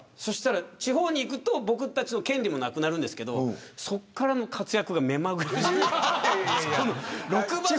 地方に行くと僕たちの権利もなくなるんですけどそっからの活躍が目まぐるしくて。